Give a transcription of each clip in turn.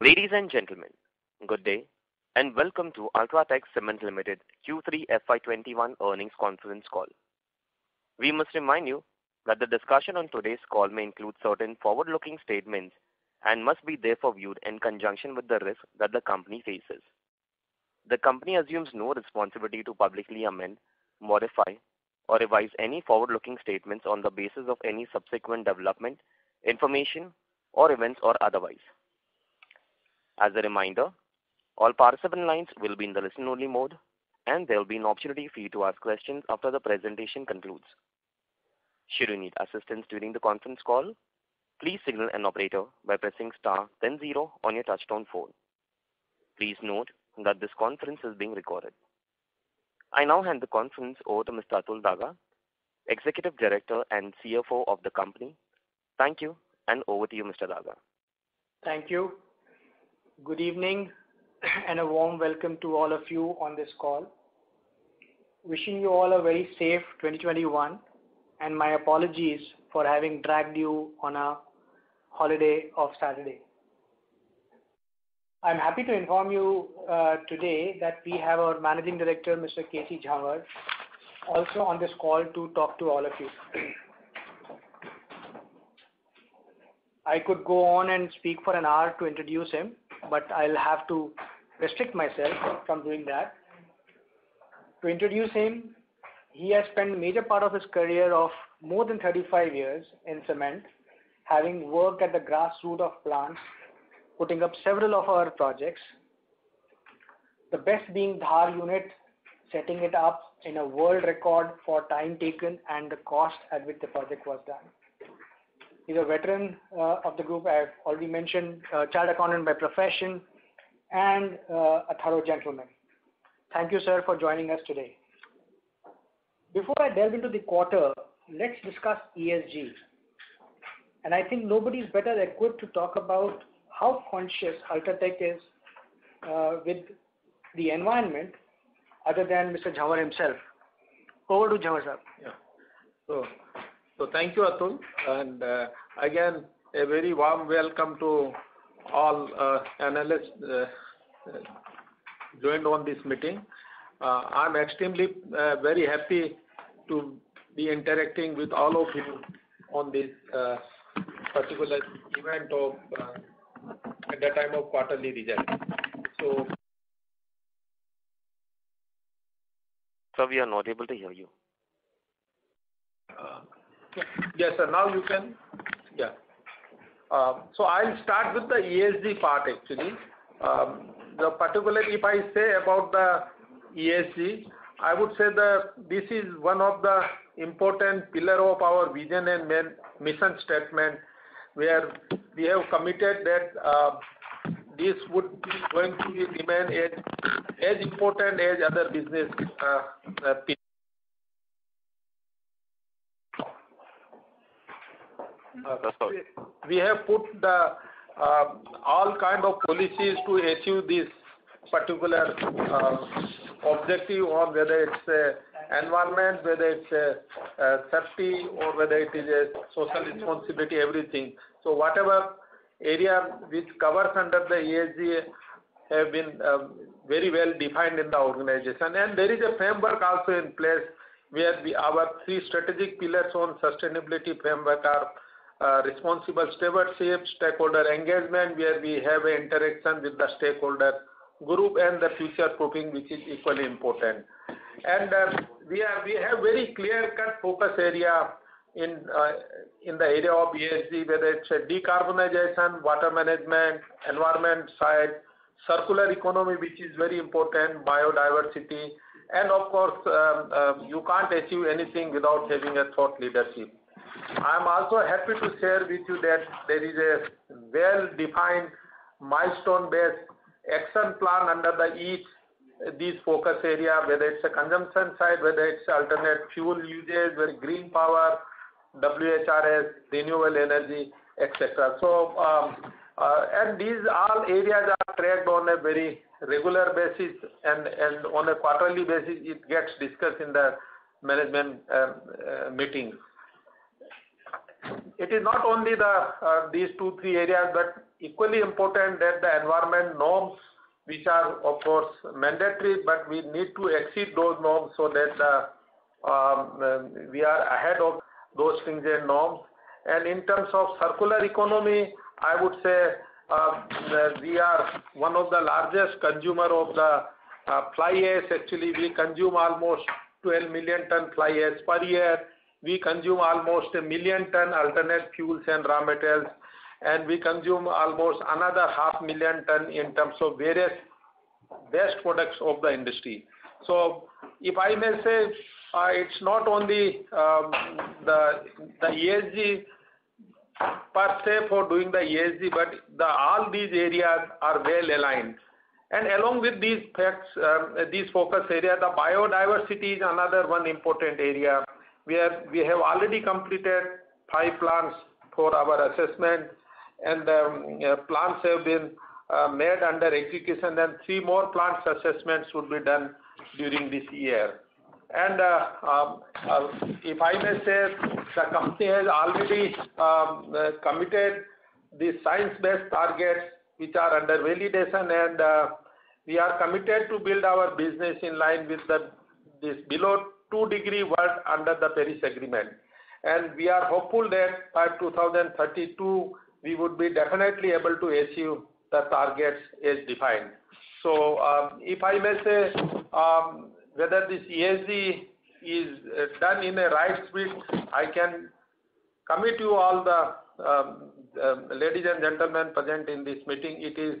Ladies and gentlemen, good day, and welcome to UltraTech Cement Limited Q3 FY 2021 earnings conference call. We must remind you that the discussion on today's call may include certain forward-looking statements and must be therefore viewed in conjunction with the risk that the company faces. The company assumes no responsibility to publicly amend, modify, or revise any forward-looking statements on the basis of any subsequent development, information or events or otherwise. As a reminder, all participant lines will be in the listen-only mode, and there will be an opportunity for you to ask questions after the presentation concludes. Should you need assistance during the conference call, please signal an operator by pressing star then zero on your touchtone phone. Please note that this conference is being recorded. I now hand the conference over to Mr. Atul Daga, Executive Director and CFO of the company. Thank you, and over to you, Mr. Daga. Thank you. Good evening, and a warm welcome to all of you on this call. Wishing you all a very safe 2021, and my apologies for having dragged you on a holiday of Saturday. I'm happy to inform you today that we have our Managing Director, Mr. K. C. Jhanwar, also on this call to talk to all of you. I could go on and speak for an hour to introduce him, but I'll have to restrict myself from doing that. To introduce him, he has spent a major part of his career of more than 35 years in cement, having worked at the grass root of plants, putting up several of our projects. The best being Dhar unit, setting it up in a world record for time taken and the cost at which the project was done. He's a veteran of the group, I have already mentioned. A chartered accountant by profession and a thorough gentleman. Thank you, sir, for joining us today. Before I delve into the quarter, let's discuss ESG. I think nobody's better equipped to talk about how conscious UltraTech is with the environment other than Mr. Jhanwar himself. Over to Jhanwar, sir. Thank you, Atul, and again, a very warm welcome to all analysts joined on this meeting. I am extremely very happy to be interacting with all of you on this particular event of at the time of quarterly results. Sir, we are not able to hear you. Yes, sir. Yeah. I'll start with the ESG part, actually. Particularly, if I say about the ESG, I would say that this is one of the important pillar of our vision and mission statement, where we have committed that this would be going to remain as important as other business pillar. Sorry. We have put all kind of policies to achieve this particular objective on whether it's environment, whether it's safety or whether it is a social responsibility, everything. Whatever area which covers under the ESG have been very well defined in the organization. There is a framework also in place where our three strategic pillars on sustainability framework are responsible stewardship, stakeholder engagement, where we have interaction with the stakeholder group and the future proofing, which is equally important. We have very clear-cut focus area in the area of ESG, whether it's decarbonization, water management, environment side, circular economy, which is very important, biodiversity, and of course, you can't achieve anything without having a thought leadership. I'm also happy to share with you that there is a well-defined milestone-based action plan under these focus area, whether it's the consumption side, whether it's alternate fuel usage, whether green power, WHRS, renewable energy, et cetera. These all areas are tracked on a very regular basis, and on a quarterly basis, it gets discussed in the management meeting. It is not only these two, three areas, but equally important that the environment norms, which are, of course, mandatory, but we need to exceed those norms so that we are ahead of those things and norms. In terms of circular economy, I would say that we are one of the largest consumer of the fly ash. Actually, we consume almost 12 million ton fly ash per year. We consume almost a million ton alternate fuels and raw materials, and we consume almost another 500,000 ton in terms of various waste products of the industry. If I may say, it's not only the ESG per se for doing the ESG, but all these areas are well-aligned. Along with these focus areas, the biodiversity is another one important area where we have already completed five plants for our assessment, and plants have been made under execution, and three more plants assessments would be done during this year. If I may say, the company has already committed the science-based targets, which are under validation. We are committed to build our business in line with this below two degree world under the Paris Agreement. We are hopeful that by 2032 we would be definitely able to achieve the targets as defined. If I may say, whether this ESG is done in a right spirit, I can commit you all, the ladies and gentlemen present in this meeting, it is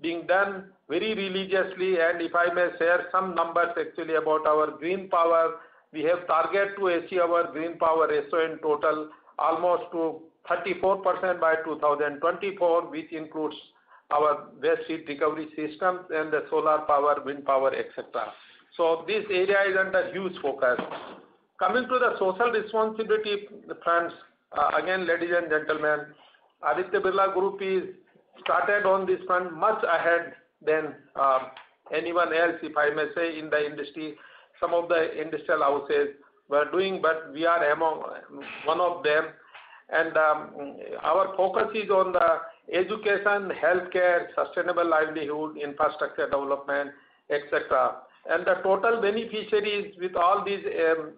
being done very religiously. If I may share some numbers actually about our green power, we have target to achieve our green power ratio in total almost to 34% by 2024, which includes our waste heat recovery systems and the solar power, wind power, et cetera. This area is under huge focus. Coming to the social responsibility front, again, ladies and gentlemen, Aditya Birla Group is started on this front much ahead than anyone else, if I may say, in the industry. Some of the industrial houses were doing, but we are among one of them. Our focus is on the education, healthcare, sustainable livelihood, infrastructure development, et cetera. The total beneficiaries with all these,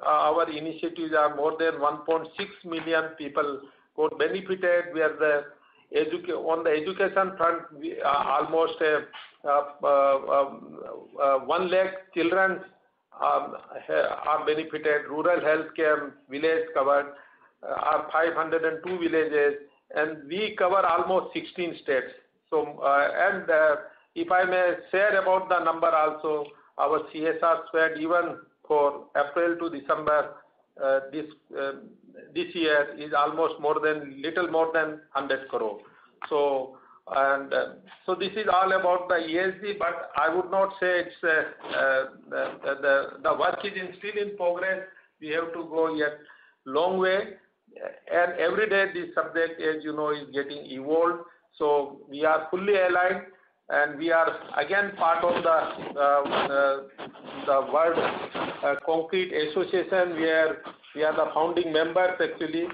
our initiatives are more than 1.6 million people who are benefited, on the education front almost 1 lakh children are benefited. Rural healthcare village covered are 502 villages, we cover almost 16 states. If I may share about the number also, our CSR spend even for April to December, this year is almost little more than 100 crore. This is all about the ESG, but I would not say it's the work is in still in progress. We have to go yet long way. Every day this subject, as you know, is getting evolved. We are fully aligned, we are again part of the Global Cement and Concrete Association. We are the founding members, actually.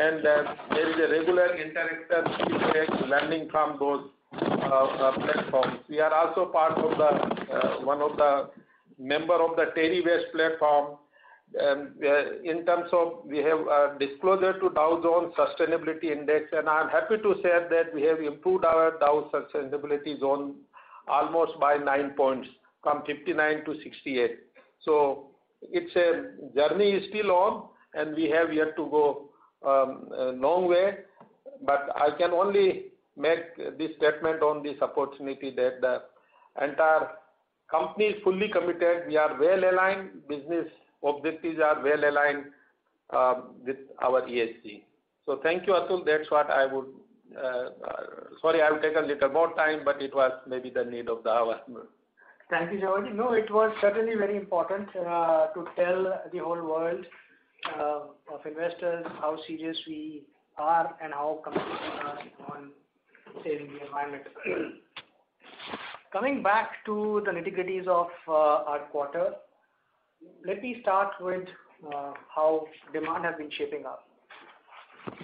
There is a regular interaction, knowledge learning from those platforms. We are also one of the member of the TERI waste platform. In terms of we have disclosure to Dow Jones Sustainability Index, I'm happy to share that we have improved our Dow sustainability zone almost by 9 points, from 59 to 68. It's a journey is still on and we have yet to go long way. I can only make this statement on this opportunity that the entire company is fully committed. We are well-aligned. Business objectives are well aligned with our ESG. Thank you, Atul. Sorry I have taken little more time, but it was maybe the need of the hour. Thank you, Jhanwar-ji. No, it was certainly very important to tell the whole world of investors how serious we are and how committed we are on saving the environment. Coming back to the nitty-gritties of our quarter, let me start with how demand has been shaping up.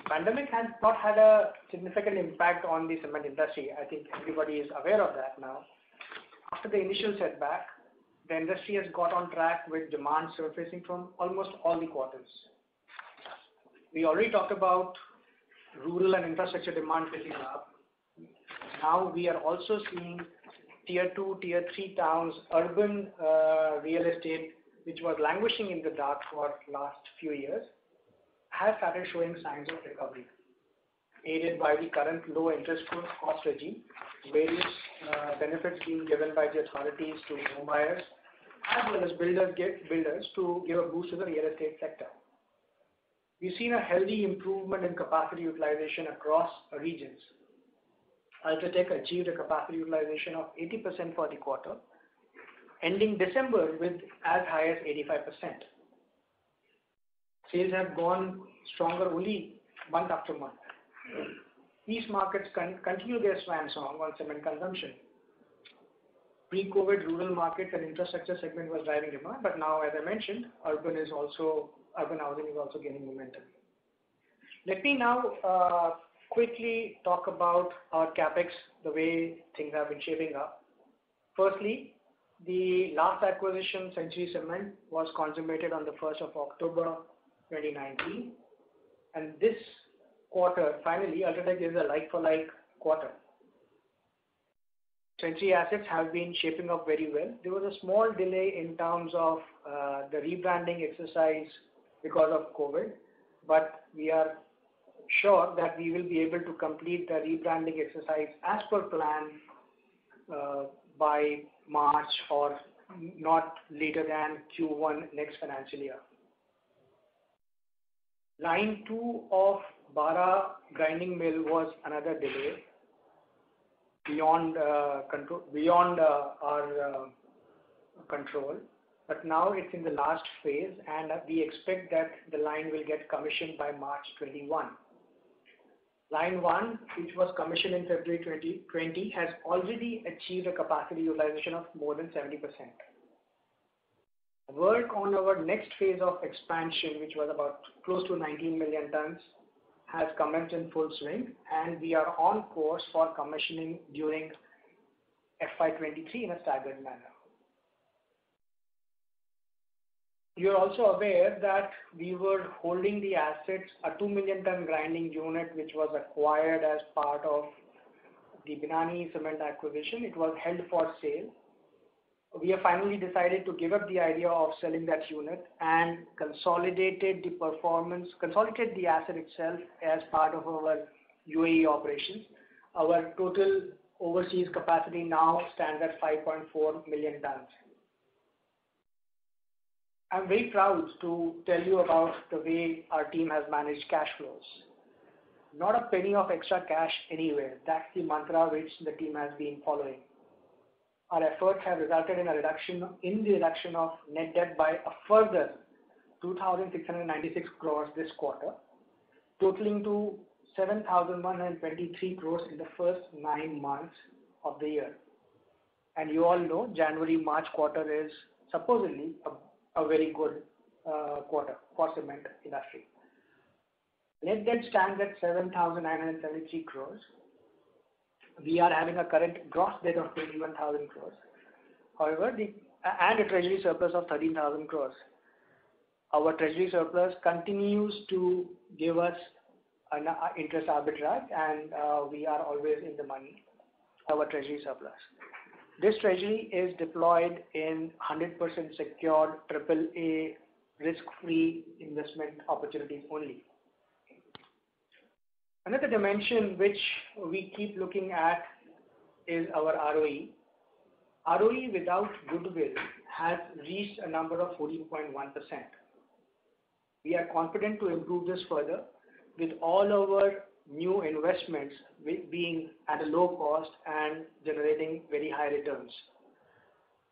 Pandemic has not had a significant impact on the cement industry. I think everybody is aware of that now. After the initial setback, the industry has got on track with demand surfacing from almost all the quarters. We already talked about rural and infrastructure demand picking up. Now we are also seeing Tier 2, Tier 3 towns, urban real estate, which was languishing in the dark for last few years, has started showing signs of recovery. Aided by the current low interest cost regime, various benefits being given by the authorities to home buyers, as well as builders to give a boost to the real estate sector. We've seen a healthy improvement in capacity utilization across regions. UltraTech achieved a capacity utilization of 80% for the quarter, ending December with as high as 85%. Sales have gone stronger only month after month. These markets continue their swan song on cement consumption. Pre-COVID, rural market and infrastructure segment was driving demand. Now, as I mentioned, urban housing is also gaining momentum. Let me now quickly talk about our CapEx, the way things have been shaping up. Firstly, the last acquisition, Century Cement, was consummated on the 1st of October 2019. This quarter, finally, UltraTech is a like for like quarter. Century assets have been shaping up very well. There was a small delay in terms of the rebranding exercise because of COVID, but we are sure that we will be able to complete the rebranding exercise as per plan by March or not later than Q1 next financial year. Line two of Bara grinding mill was another delay, beyond our control. Now it's in the last phase, and we expect that the line will get commissioned by March 2021. Line one, which was commissioned in February 2020, has already achieved a capacity utilization of more than 70%. Work on our next phase of expansion, which was about close to 19 million tons, has commenced in full swing, and we are on course for commissioning during FY 2023 in a staggered manner. You're also aware that we were holding the assets, a 2 million ton grinding unit, which was acquired as part of the Binani Cement acquisition. It was held for sale. We have finally decided to give up the idea of selling that unit and consolidated the asset itself as part of our UAE operations. Our total overseas capacity now stands at 5.4 million tons. I'm very proud to tell you about the way our team has managed cash flows. Not a penny of extra cash anywhere. That's the mantra which the team has been following. Our efforts have resulted in the reduction of net debt by a further 2,696 crore this quarter, totaling to 7,123 crore in the first nine months of the year. You all know January-March quarter is supposedly a very good quarter for cement industry. Net debt stands at 7,973 crore. We are having a current gross debt of 21,000 crore and a treasury surplus of 13,000 crore. Our treasury surplus continues to give us an interest arbitrage and we are always in the money, our treasury surplus. This treasury is deployed in 100% secured Triple A risk-free investment opportunities only. Another dimension which we keep looking at is our ROE. ROE without goodwill has reached a number of 14.1%. We are confident to improve this further with all our new investments with being at a low cost and generating very high returns.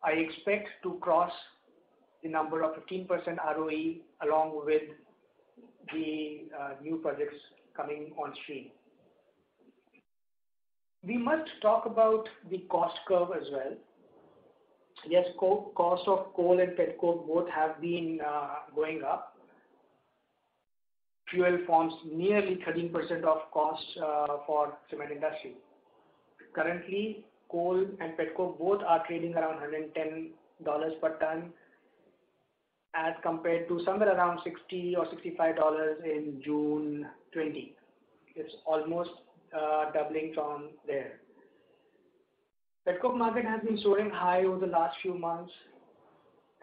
I expect to cross the number of 15% ROE along with the new projects coming on stream. We must talk about the cost curve as well. Yes, cost of coal and pet coke both have been going up. Fuel forms nearly 13% of costs for cement industry. Currently, coal and pet coke both are trading around $110 per ton as compared to somewhere around $60 or $65 in June 2020. It's almost doubling from there. Pet coke market has been soaring high over the last few months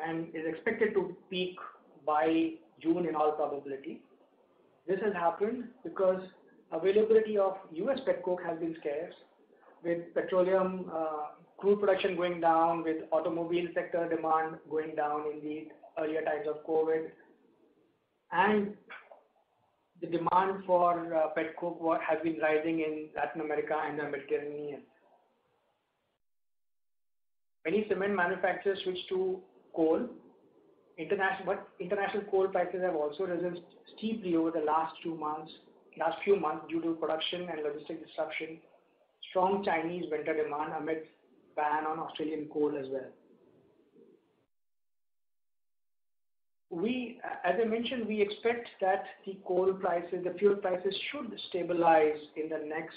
and is expected to peak by June in all probability. This has happened because availability of U.S. pet coke has been scarce with petroleum crude production going down, with automobile sector demand going down in the earlier times of COVID. The demand for pet coke has been rising in Latin America and the Mediterranean. Many cement manufacturers switched to coal. International coal prices have also risen steeply over the last few months due to production and logistic disruption, strong Chinese winter demand amid ban on Australian coal as well. As I mentioned, we expect that the coal prices, the fuel prices should stabilize in the next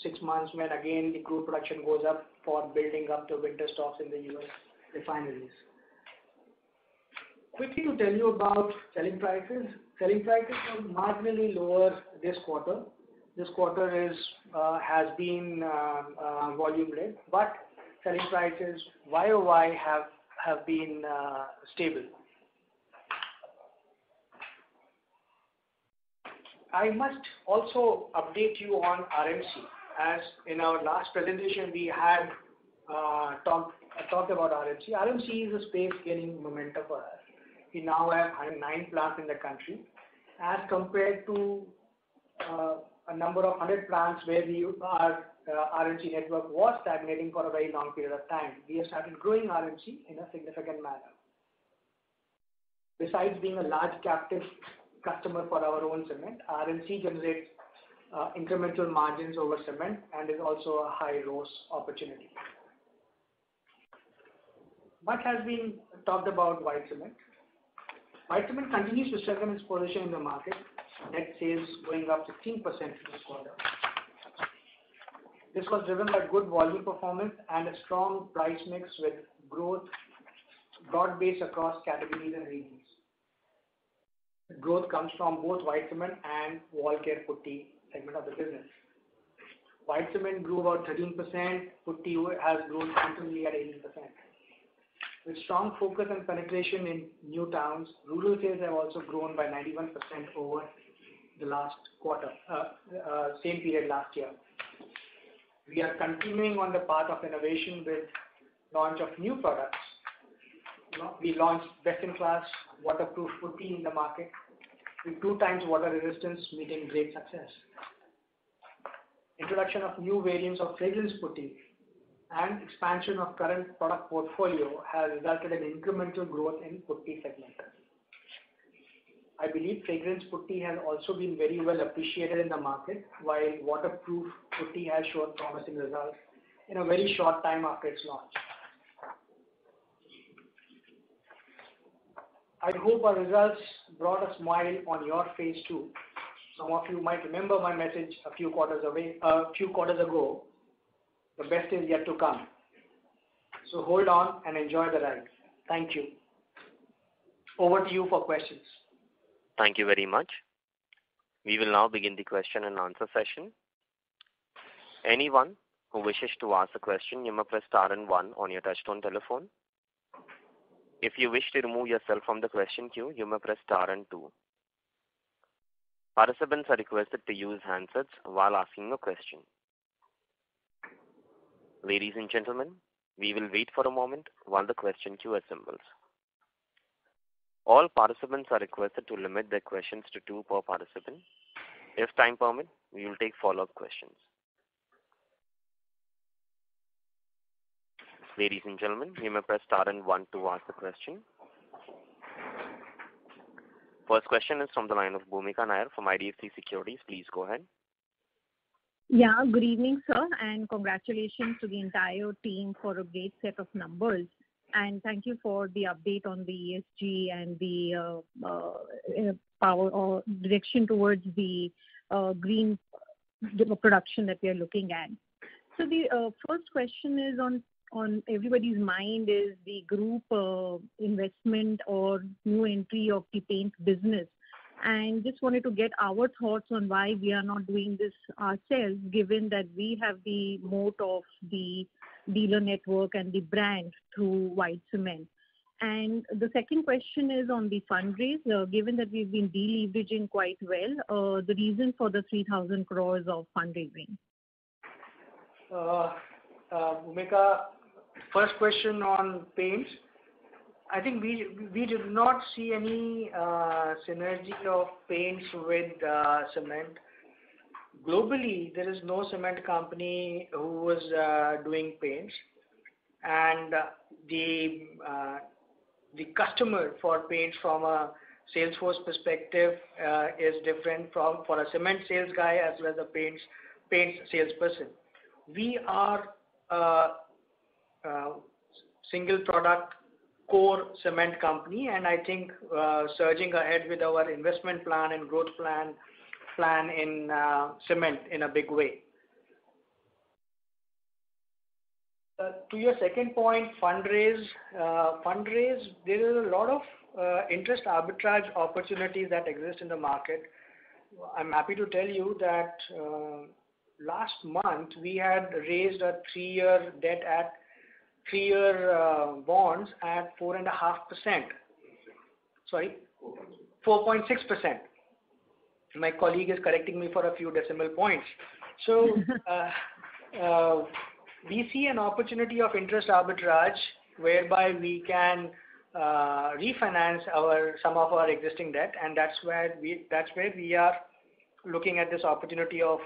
six months when again the crude production goes up for building up the winter stocks in the U.S. refineries. Quickly to tell you about selling prices. Selling prices were marginally lower this quarter. This quarter has been volume led. Selling prices YOY have been stable. I must also update you on RMC, as in our last presentation we had talked about RMC. RMC is a space gaining momentum for us. We now have 109 plants in the country as compared to a number of 100 plants where our RMC network was stagnating for a very long period of time. We have started growing RMC in a significant manner. Besides being a large captive customer for our own cement, RMC generates incremental margins over cement and is also a high ROCE opportunity. Much has been talked about white cement. White cement continues to strengthen its position in the market. Net sales going up 15% this quarter. This was driven by good volume performance and a strong price mix with growth broad-based across categories and regions. Growth comes from both white cement and WallCare Putty segment of the business. White cement grew about 13%, putty has grown strongly at 18%. With strong focus and penetration in new towns, rural sales have also grown by 91% over the same period last year. We are continuing on the path of innovation with launch of new products. We launched best-in-class waterproof putty in the market with 2x water resistance, meeting great success. Introduction of new variants of fragrance putty and expansion of current product portfolio has resulted in incremental growth in putty segment. I believe fragrance putty has also been very well appreciated in the market, while waterproof putty has shown promising results in a very short time after its launch. I hope our results brought a smile on your face, too. Some of you might remember my message a few quarters ago, the best is yet to come. Hold on and enjoy the ride. Thank you. Over to you for questions. Thank you very much. We will now begin the question and answer session. Anyone who wishes to ask a question, you may press star and one on your touch-tone telephone. If you wish to remove yourself from the question queue, you may press star and two. Participants are requested to use handsets while asking a question. Ladies and gentlemen, we will wait for a moment while the question queue assembles. All participants are requested to limit their questions to two per participant. If time permits, we will take follow-up questions. Ladies and gentlemen, you may press star and one to ask the question. First question is from the line of Bhoomika Nair from IDFC Securities. Please go ahead. Yeah. Good evening, sir. Congratulations to the entire team for a great set of numbers. Thank you for the update on the ESG and the direction towards the green production that we are looking at. The first question is on everybody's mind, is the group investment or new entry of the paint business, and just wanted to get our thoughts on why we are not doing this ourselves, given that we have the moat of the dealer network and the brand through white cement. The second question is on the fundraise, given that we've been deleveraging quite well, the reason for the 3,000 crore of fundraising. Bhoomika, first question on paints. I think we do not see any synergy of paints with cement. Globally, there is no cement company who is doing paints. The customer for paints from a sales force perspective is different for a cement sales guy as well as a paints salesperson. We are a single product core cement company and I think surging ahead with our investment plan and growth plan in cement in a big way. To your second point, fundraise. Fundraise, there is a lot of interest arbitrage opportunities that exist in the market. I'm happy to tell you that last month we had raised a three-year bonds at 4.5%. Sorry. 4.6%. 4.6%. My colleague is correcting me for a few decimal points. We see an opportunity of interest arbitrage whereby we can refinance some of our existing debt, and that's where we are looking at this opportunity of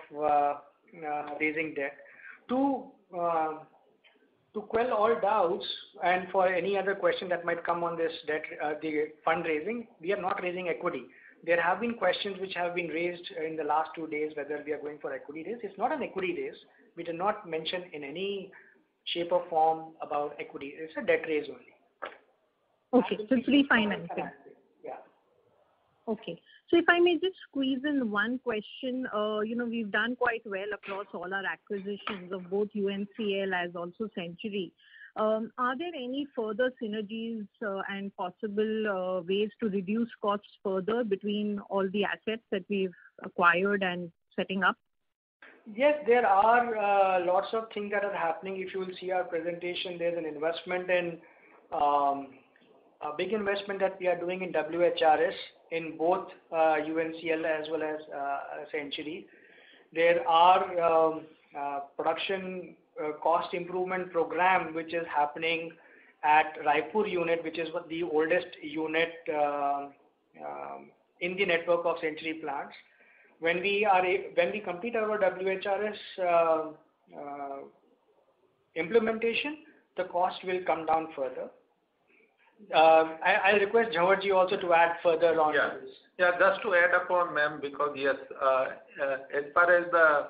raising debt. To quell all doubts and for any other question that might come on this fundraising, we are not raising equity. There have been questions which have been raised in the last two days whether we are going for equity raise. It's not an equity raise. We did not mention in any shape or form about equity. It's a debt raise only. Okay. It's refinancing. Yeah. Okay. If I may just squeeze in one question. We've done quite well across all our acquisitions of both UNCL as also Century. Are there any further synergies and possible ways to reduce costs further between all the assets that we've acquired and setting up? There are lots of things that are happening. If you will see our presentation, there's a big investment that we are doing in WHRS in both UNCL as well as Century. There are production cost improvement program, which is happening at Raipur unit, which is the oldest unit in the network of Century plants. When we complete our WHRS implementation, the cost will come down further. I request Jhanwar-ji also to add further on this. Yeah. Just to add up on, ma'am, because, yes, as far as the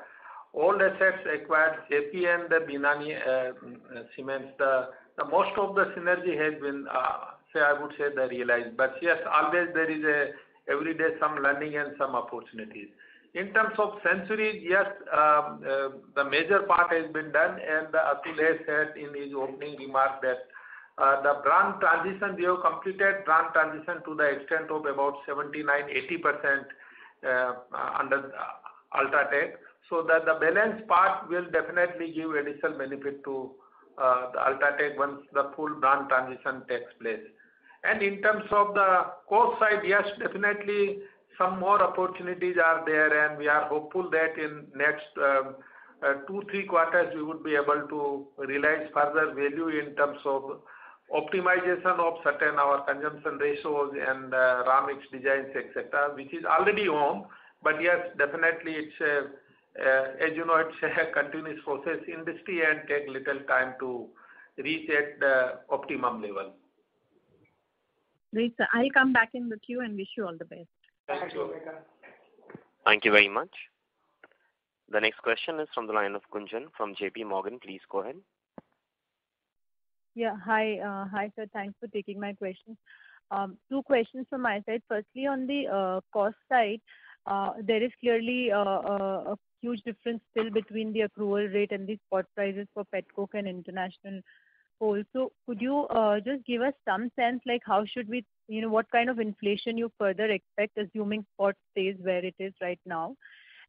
old assets acquired, Jaypee and the Binani Cement, the most of the synergy has been, I would say, realized. Yes, always there is every day some learning and some opportunities. In terms of Century, yes, the major part has been done and Atul has said in his opening remark that the brand transition, we have completed brand transition to the extent of about 79%, 80% under UltraTech, so that the balance part will definitely give additional benefit to the UltraTech once the full brand transition takes place. In terms of the cost side, yes, definitely some more opportunities are there, we are hopeful that in next two, three quarters, we would be able to realize further value in terms of optimization of certain our consumption ratios and raw mix designs, et cetera, which is already on. Yes, definitely, as you know, it's a continuous process industry and take little time to reach at the optimum level. I'll come back in the queue and wish you all the best. Thank you, Bhoomika. Thank you very much. The next question is from the line of Gunjan from JPMorgan. Please go ahead. Yeah. Hi, sir. Thanks for taking my questions. Two questions from my side. Firstly, on the cost side, there is clearly a huge difference still between the accrual rate and the spot prices for pet coke and international coal. Could you just give us some sense, like what kind of inflation you further expect, assuming spot stays where it is right now?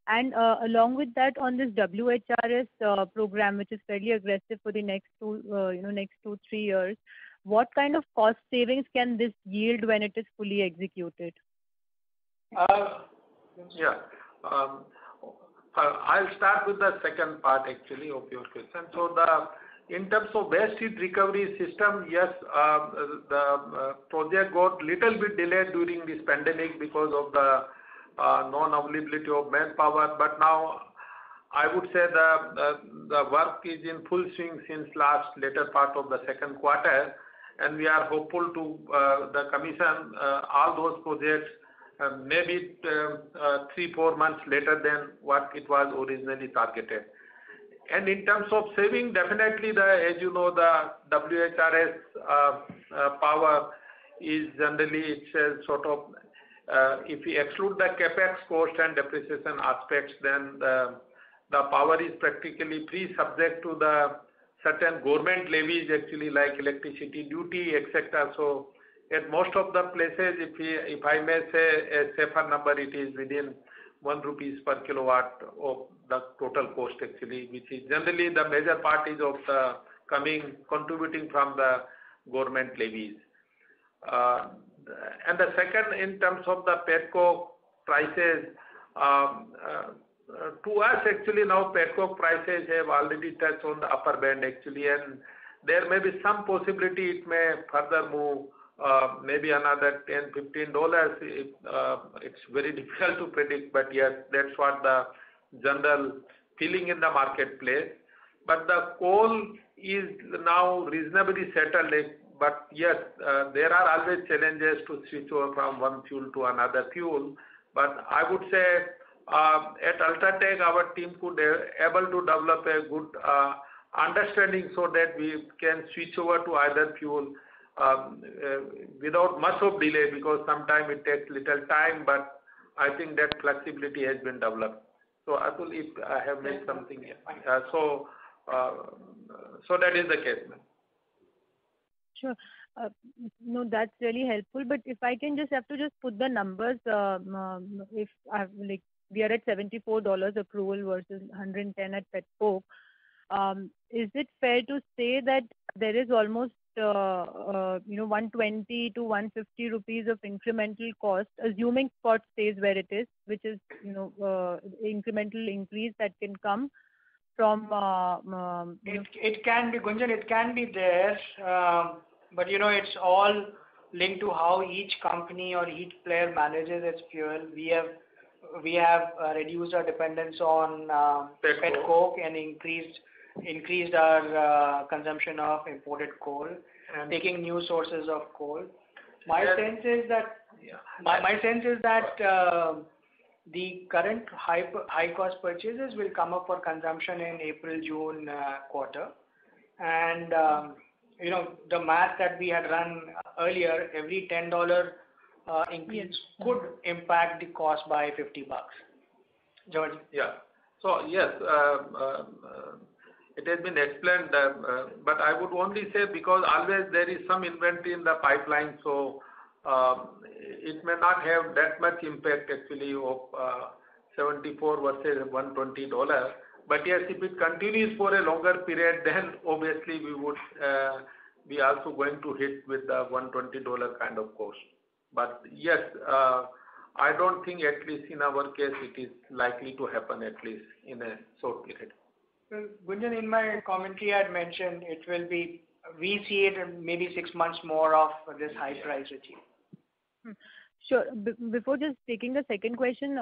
Along with that, on this WHRS program, which is fairly aggressive for the next two, three years, what kind of cost savings can this yield when it is fully executed? Yeah. I'll start with the second part, actually, of your question. In terms of waste heat recovery system, yes, the project got little bit delayed during this pandemic because of the non-availability of manpower. Now, I would say the work is in full swing since last later part of the second quarter, and we are hopeful to the commission all those projects, maybe three, four months later than what it was originally targeted. In terms of saving, definitely, as you know, the WHRS power is generally, if we exclude the CapEx cost and depreciation aspects, then the power is practically free subject to the certain government levies actually, like electricity duty, et cetera. At most of the places, if I may say a safer number, it is within 1 rupees per kilowatt of the total cost actually, which is generally the major part is of the coming, contributing from the government levies. The second, in terms of the pet coke prices. To us actually now pet coke prices have already touched on the upper band actually, and there may be some possibility it may further move maybe another $10, $15. It is very difficult to predict, but, yes, that is what the general feeling in the marketplace. The coal is now reasonably settled, but, yes, there are always challenges to switch over from one fuel to another fuel. I would say, at UltraTech, our team could able to develop a good understanding so that we can switch over to either fuel without much of delay, because sometimes it takes little time, but I think that flexibility has been developed. Atul, if I have missed something. That is the case. Sure. No, that is really helpful. If I can just put the numbers, if we are at $74 accrual versus $110 at pet coke, is it fair to say that there is almost 120-150 rupees of incremental cost, assuming spot stays where it is, which is incremental increase that can come from? Gunjan, it can be there. It's all linked to how each company or each player manages its fuel. We have reduced our dependence on pet coke. Pet coke. Increased our consumption of imported coal and taking new sources of coal. My sense is that the current high cost purchases will come up for consumption in April-June quarter. The math that we had run earlier, every $10 increase could impact the cost by INR 50. Jhanwar-ji? Yeah. Yes, it has been explained. I would only say because always there is some inventory in the pipeline, so it may not have that much impact actually of $74 versus $120. Yes, if it continues for a longer period, then obviously we are also going to hit with the $120 kind of cost. Yes, I don't think at least in our case, it is likely to happen at least in a short period. Gunjan, in my commentary, I'd mentioned we see it maybe six months more of this high price regime. Sure. Before just taking the second question,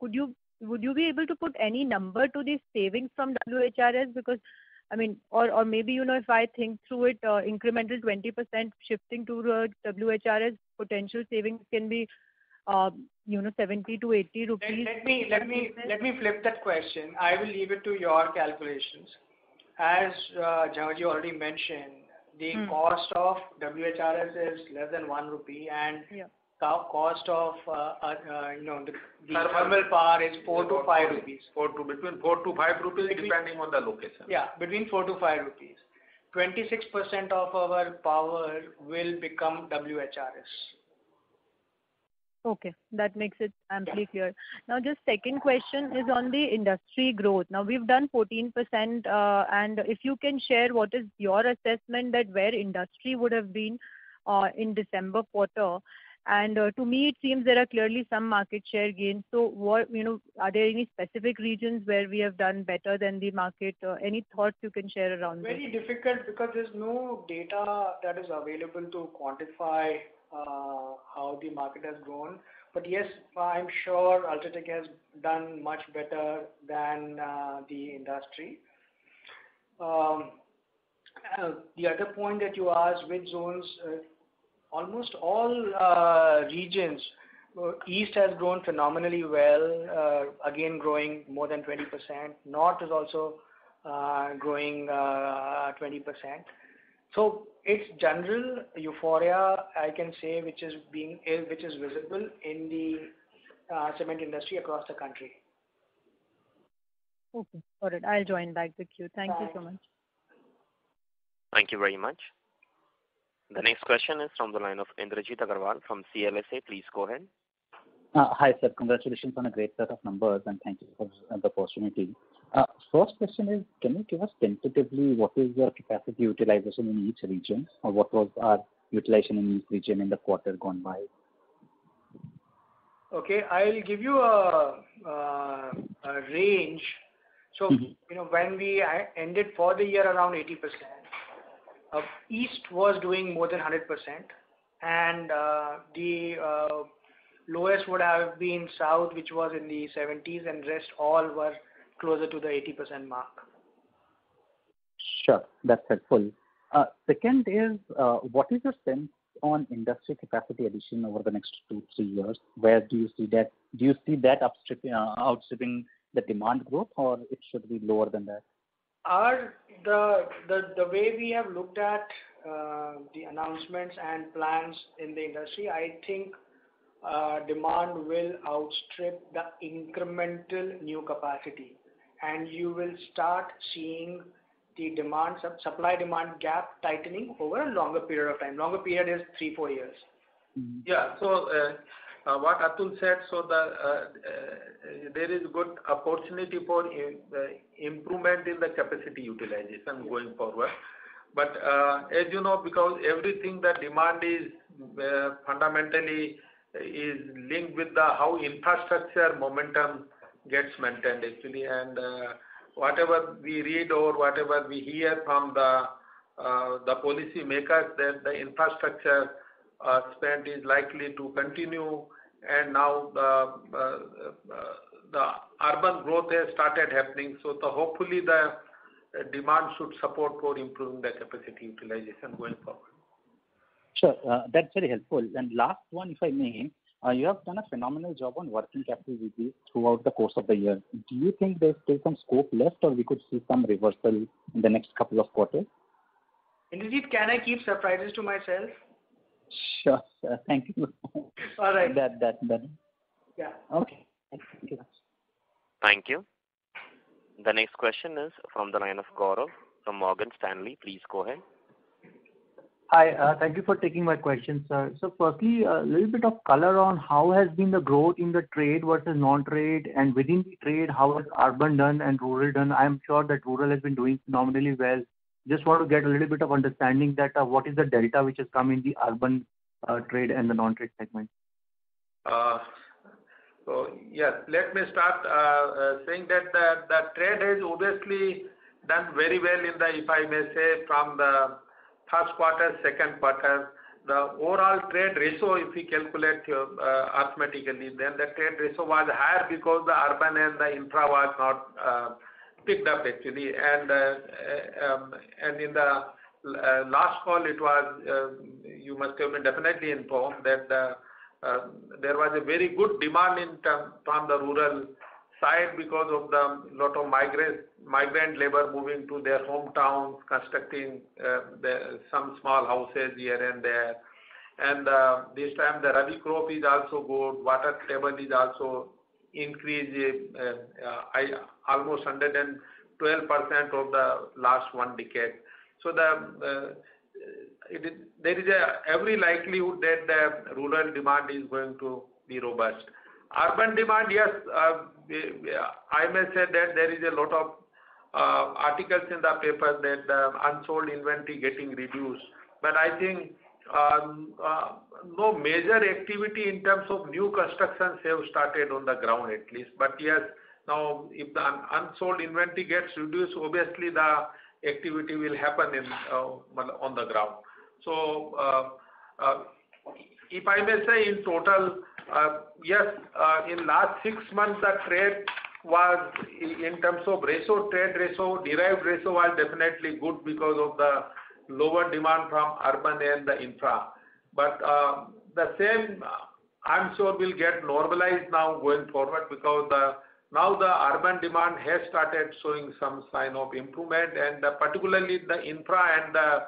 would you be able to put any number to the savings from WHRS? I mean, or maybe if I think through it, incremental 20% shifting to WHRS potential savings can be 70-80 rupees. Let me flip that question. I will leave it to your calculations. As Jhanwar-ji already mentioned, the cost of WHRS is less than 1 rupee and the cost of the thermal power is 4-5 rupees. Between 4-5 rupees, depending on the location. Between 4-5 rupees. 26% of our power will become WHRS. Okay. That makes it amply clear. Just second question is on the industry growth. We've done 14%, and if you can share what is your assessment that where industry would have been in December quarter. To me, it seems there are clearly some market share gains. Are there any specific regions where we have done better than the market? Any thoughts you can share around this? Very difficult because there's no data that is available to quantify how the market has grown. Yes, I'm sure UltraTech has done much better than the industry. The other point that you asked, which zones? Almost all regions. East has grown phenomenally well, again growing more than 20%. North is also growing 20%. It's general euphoria, I can say, which is visible in the cement industry across the country. Okay, got it. I'll join back the queue. Thank you so much. Thank you very much. The next question is from the line of Indrajit Agarwal from CLSA. Please go ahead. Hi, sir. Congratulations on a great set of numbers. Thank you for the opportunity. First question is, can you tell us tentatively what is your capacity utilization in each region, or what was your utilization in each region in the quarter gone by? Okay. I'll give you a range. When we ended for the year around 80%, East was doing more than 100%, and the lowest would have been South, which was in the 70s, and rest all were closer to the 80% mark. Sure. That is helpful. Second is, what is your sense on industry capacity addition over the next two, three years? Where do you see that? Do you see that outstripping the demand growth, or it should be lower than that? The way we have looked at the announcements and plans in the industry, I think demand will outstrip the incremental new capacity, and you will start seeing the supply-demand gap tightening over a longer period of time. Longer period is three, four years. What Atul said, there is good opportunity for improvement in the capacity utilization going forward. As you know, because everything the demand is fundamentally is linked with how infrastructure momentum gets maintained, actually. Whatever we read or whatever we hear from the policymakers, that the infrastructure spend is likely to continue. Now the urban growth has started happening. Hopefully the demand should support for improving the capacity utilization going forward. Sure. That's very helpful. Last one, if I may. You have done a phenomenal job on working capital usage throughout the course of the year. Do you think there's still some scope left, or we could see some reversal in the next couple of quarters? Indrajit, can I keep surprises to myself? Sure, sir. Thank you. All right. Done. Yeah. Okay. Thank you. Thank you. The next question is from the line of Gaurav from Morgan Stanley. Please go ahead. Hi. Thank you for taking my question, sir. Firstly, a little bit of color on how has been the growth in the trade versus non-trade, and within the trade, how has urban done and rural done. I am sure that rural has been doing phenomenally well. Just want to get a little bit of understanding that what is the delta which has come in the urban trade and the non-trade segment. Yes. Let me start saying that trade has obviously done very well in the, if I may say, from the first quarter, second quarter. The overall trade ratio, if you calculate arithmetically, then the trade ratio was higher because the urban and the infra was not picked up, actually. In the last call, you must have been definitely informed that there was a very good demand from the rural side because of the lot of migrant labor moving to their hometown, constructing some small houses here and there. This time the rural growth is also good. Water level is also increasing, almost 112% of the last one decade. There is every likelihood that the rural demand is going to be robust. Urban demand, yes, I may say that there is a lot of articles in the paper that unsold inventory getting reduced. I think no major activity in terms of new constructions have started on the ground at least. Yes, now, if the unsold inventory gets reduced, obviously the activity will happen on the ground. If I may say in total, yes, in last six months, the trade was, in terms of ratio trade ratio, derived ratio, was definitely good because of the lower demand from urban and the infra. The same, I'm sure, will get normalized now going forward because now the urban demand has started showing some sign of improvement, and particularly the infra and the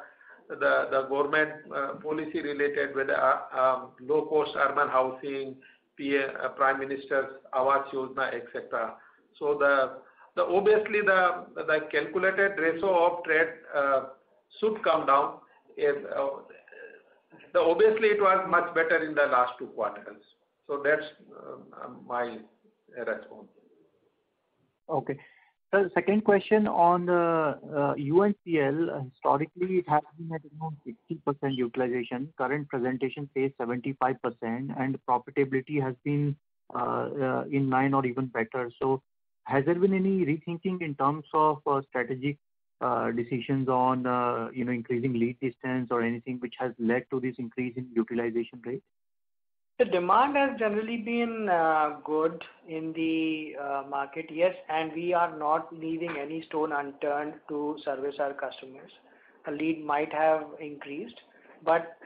government policy related with low-cost urban housing, Pradhan Mantri Awas Yojana, et cetera. Obviously, the calculated ratio of trade should come down. Obviously it was much better in the last two quarters. That's my response. Okay. Sir, second question on UNCL. Historically, it has been at around 60% utilization. Current presentation says 75%, and profitability has been in line or even better. Has there been any rethinking in terms of strategic decisions on increasing lead distance or anything which has led to this increase in utilization rate? The demand has generally been good in the market. Yes, we are not leaving any stone unturned to service our customers. A lead might have increased, but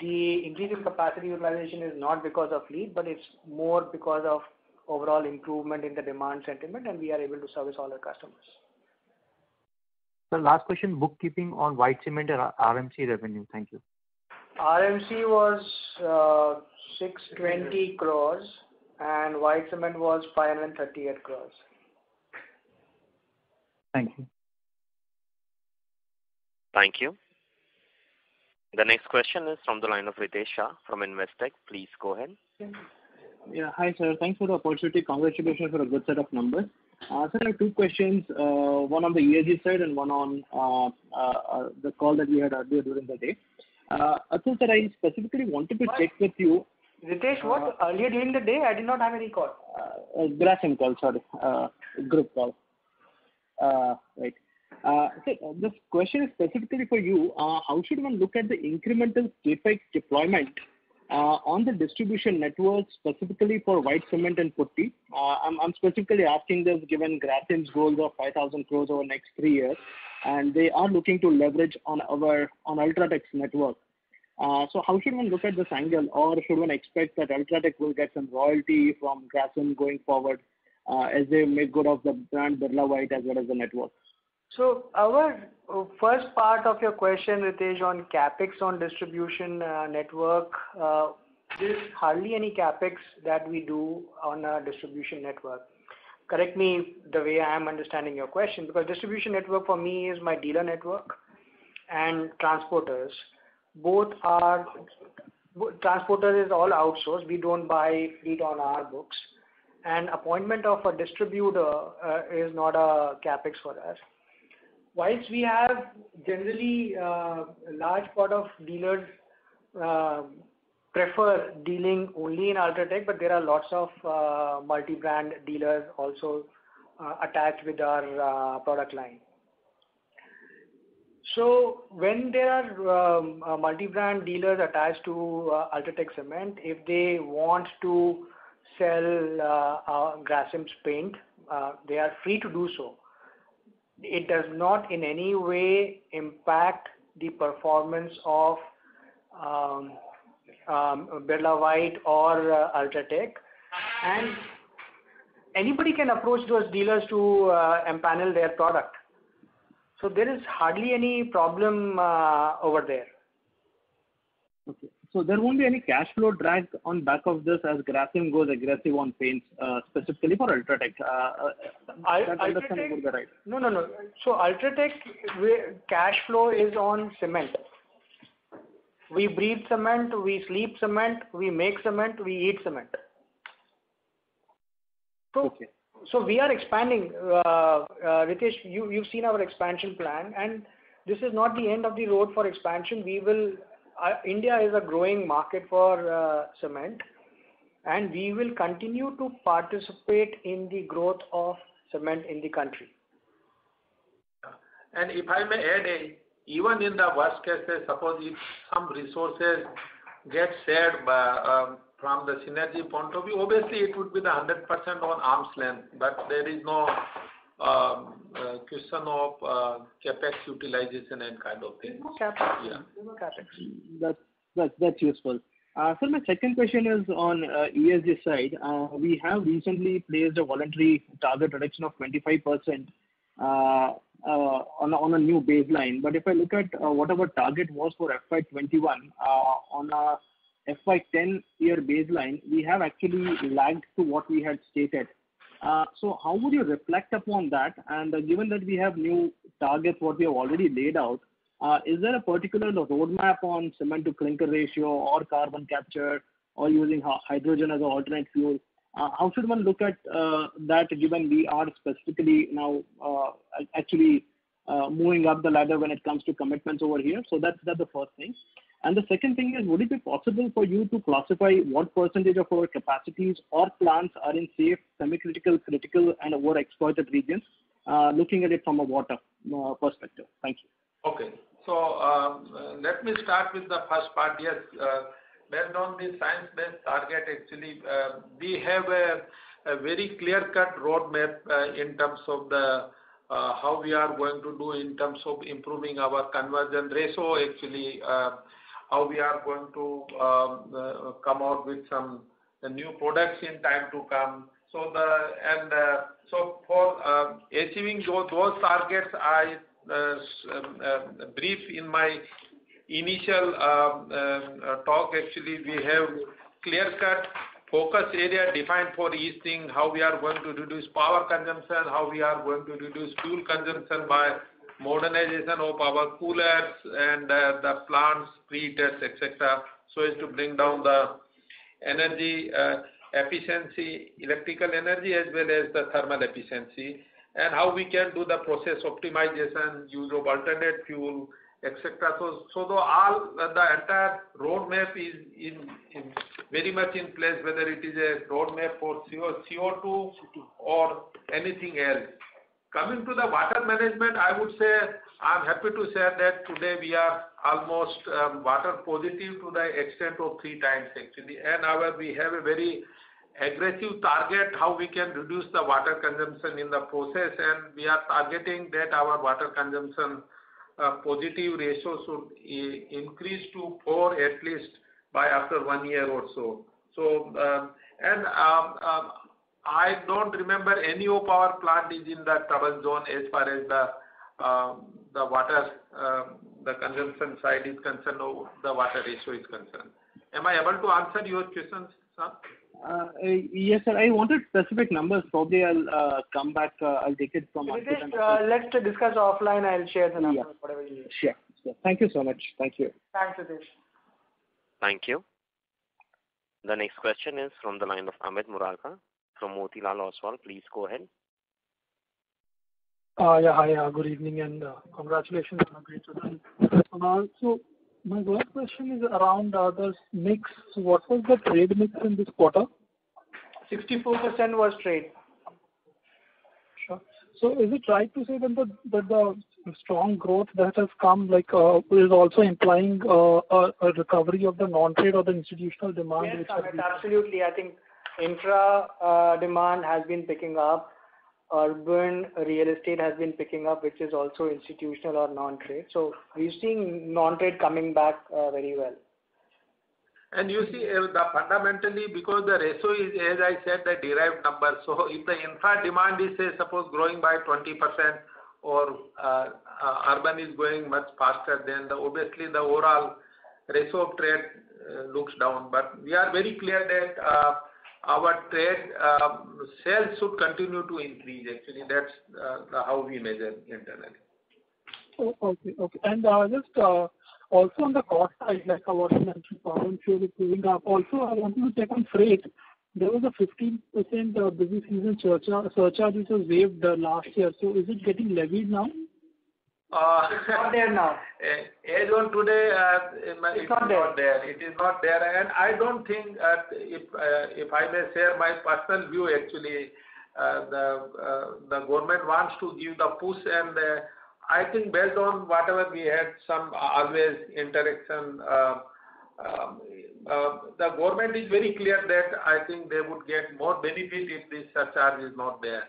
the increase in capacity utilization is not because of lead, but it's more because of overall improvement in the demand sentiment, and we are able to service all our customers. Sir, last question. Bookkeeping on white cement and RMC revenue. Thank you. RMC was 620 crore and white cement was 538 crore. Thank you. Thank you. The next question is from the line of Ritesh Shah from Investec. Please go ahead. Yeah. Hi, sir. Thanks for the opportunity. Congratulations for a good set of numbers. Sir, I have two questions, one on the ESG side and one on the call that we had earlier during the day. Actually, sir, I specifically wanted to check with you. Ritesh, what? Earlier during the day, I did not have any call. Grasim call, sorry. Group call. Right. Sir, this question is specifically for you. How should one look at the incremental CapEx deployment on the distribution network specifically for white cement and putty? I'm specifically asking this, given Grasim's goals of 5,000 crore over the next three years, and they are looking to leverage on UltraTech's network. How should one look at this angle? Should one expect that UltraTech will get some royalty from Grasim going forward, as they make good of the brand Birla White as well as the network? Our first part of your question, Ritesh, on CapEx on distribution network. There's hardly any CapEx that we do on our distribution network. Correct me, the way I am understanding your question, because distribution network for me is my dealer network and transporters. Transporter is all outsourced. We don't buy fleet on our books. Appointment of a distributor is not a CapEx for us. Whilst we have generally a large part of dealers prefer dealing only in UltraTech, but there are lots of multi-brand dealers also attached with our product line. When there are multi-brand dealers attached to UltraTech Cement, if they want to sell Grasim's paint, they are free to do so. It does not in any way impact the performance of Birla White or UltraTech, and anybody can approach those dealers to empanel their product. There is hardly any problem over there. Okay. There won't be any cash flow drag on back of this as Grasim goes aggressive on paints, specifically for UltraTech. If I'm understanding it right. No. UltraTech cash flow is on cement. We breathe cement, we sleep cement, we make cement, we eat cement. Okay. We are expanding. Ritesh, you've seen our expansion plan, and this is not the end of the road for expansion. India is a growing market for cement, and we will continue to participate in the growth of cement in the country. If I may add in, even in the worst cases, suppose if some resources get shared from the synergy point of view, obviously it would be 100% on arm's length, but there is no question of CapEx utilization and kind of thing. There's no CapEx. Yeah. Zero CapEx. That's useful. Sir, my second question is on ESG side. We have recently placed a voluntary target reduction of 25% on a new baseline. If I look at what our target was for FY 2021 on a FY 2010 year baseline, we have actually lagged to what we had stated. How would you reflect upon that? Given that we have new targets, what we have already laid out, is there a particular roadmap on cement to clinker ratio or carbon capture or using hydrogen as an alternate fuel? How should one look at that, given we are specifically now actually moving up the ladder when it comes to commitments over here? That's the first thing. The second thing is, would it be possible for you to classify what percentage of our capacities or plants are in safe, semi-critical, critical, and overexploited regions, looking at it from a water perspective? Thank you. Okay. Let me start with the first part. Yes, based on the science-based target, actually, we have a very clear-cut roadmap in terms of how we are going to do in terms of improving our conversion ratio. Actually, how we are going to come out with some new products in time to come. For achieving those targets, I briefed in my initial talk, actually, we have clear-cut focus area defined for each thing, how we are going to reduce power consumption, how we are going to reduce fuel consumption by modernization of our coolers and the plants, preheaters, et cetera, so as to bring down the energy efficiency, electrical energy, as well as the thermal efficiency. How we can do the process optimization, use of alternate fuel, et cetera. The entire roadmap is very much in place, whether it is a roadmap for CO2 or anything else. Coming to the water management, I would say, I'm happy to share that today we are almost water positive to the extent of 3x actually. We have a very aggressive target how we can reduce the water consumption in the process, and we are targeting that our water consumption positive ratio should increase to four, at least by after one year or so. I don't remember any of our plant is in the trouble zone as far as the water consumption side is concerned or the water ratio is concerned. Am I able to answer your questions, sir? Yes, sir. I wanted specific numbers. Probably I'll come back. Ritesh, let's discuss offline. I'll share the numbers whatever is there. Sure. Thank you so much. Thank you. Thanks, Ritesh. Thank you. The next question is from the line of Amit Murarka from Motilal Oswal. Please go ahead. Hi. Good evening and congratulations on a great result. My first question is around the mix. What was the trade mix in this quarter? 64% was trade. Sure. Is it right to say that the strong growth that has come is also implying a recovery of the non-trade or the institutional demand. Yes, Amit, absolutely. I think infra demand has been picking up. Urban real estate has been picking up, which is also institutional or non-trade. We're seeing non-trade coming back very well. You see, fundamentally, because the ratio is, as I said, a derived number. If the infra demand is, say, suppose growing by 20% or urban is growing much faster, then obviously the overall ratio of trade looks down. We are very clear that our trade sales should continue to increase. Actually, that's how we measure internally. Okay. Just also on the cost side, like already mentioned, power and fuel is moving up. Also, I want to check on freight. There was a 15% busy season surcharge which was waived last year. Is it getting levied now? It's not there now. As on today. It's not there. It is not there. I don't think, if I may share my personal view actually, the government wants to give the push and I think based on whatever we had some always interaction, the government is very clear that I think they would get more benefit if this surcharge is not there.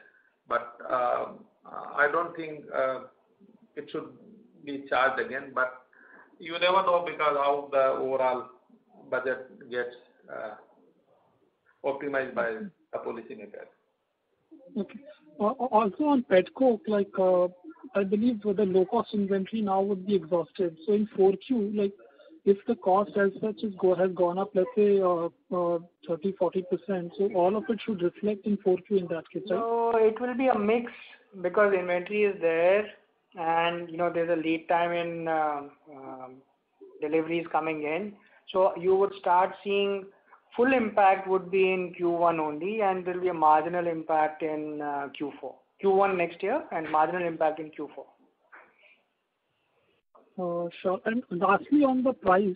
I don't think it should be charged again, but you never know because how the overall budget gets optimized by the policymakers. Okay. On pet coke, I believe the low-cost inventory now would be exhausted. In 4Q, if the cost as such has gone up, let's say 30%-40%, so all of it should reflect in 4Q in that case, right? No, it will be a mix because inventory is there and there's a lead time in deliveries coming in. You would start seeing full impact would be in Q1 only and there'll be a marginal impact in Q4. Q1 next year and marginal impact in Q4. Sure. Lastly on the price.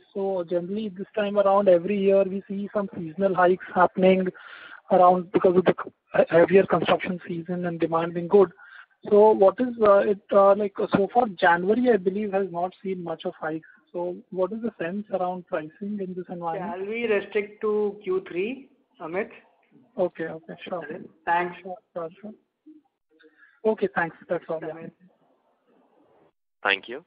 Generally this time around every year we see some seasonal hikes happening around because of the heavier construction season and demand being good. For January, I believe has not seen much of hike. What is the sense around pricing in this environment? Shall we restrict to Q3, Amit? Okay. Sure. Thanks. Sure. Okay, thanks. That's all. Thank you.